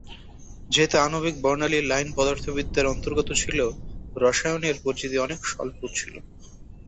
যেহেতু আণবিক বর্ণালী লাইন পদার্থবিদ্যার অন্তর্গত ছিল, রসায়নে এর পরিচিতি অনেক স্বল্প ছিল।